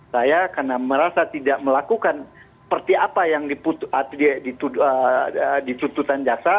saya karena merasa tidak melakukan seperti apa yang dituntutan jaksa